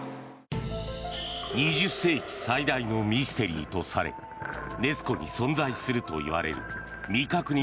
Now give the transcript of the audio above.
２０世紀最大のミステリーとされネス湖に存在するといわれる未確認